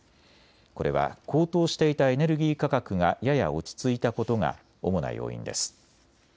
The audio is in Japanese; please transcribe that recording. これは高騰していたエネルギー価格がやや落ち着いたことが主な要因です。